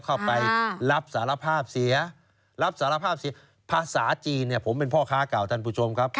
เข้าไปรับสารภาพเสียรับสารภาพเสียภาษาจีนเนี่ยผมเป็นพ่อค้าเก่าท่านผู้ชมครับ